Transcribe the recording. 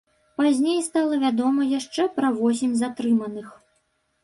Пазней стала вядома яшчэ пра восем затрыманых.